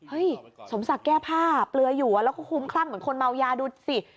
สมศักดิ์แก้ผ้าเปลืออยู่แล้วก็คุ้มคลั่งเหมือนคนเมายาดูสิ